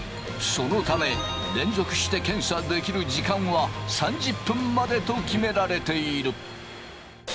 そのため連続して検査できる時間は３０分までと決められている。